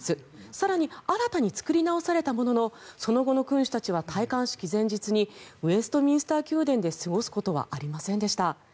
更に新たに作り直されたもののその後の君主たちは戴冠式前日にウェストミンスター宮殿で過ごすことはありませんでした。